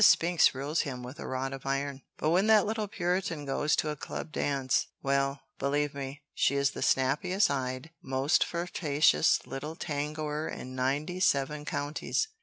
Spinks rules him with a rod of iron, but when that little Puritan goes to a club dance well, believe me, she is the snappiest eyed, most flirtatious little tangoer in ninety seven counties.